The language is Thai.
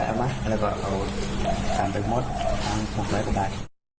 เราก็เอาตามไปหมด๖๐๐ต่อบาท